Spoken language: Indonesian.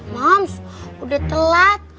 mams udah telat